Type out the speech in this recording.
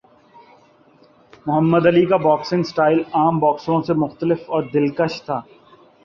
محمد Ali کا boxing style عام باکسروں سے مختلف اور دلکش تھا